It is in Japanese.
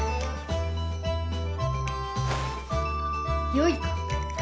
よいか？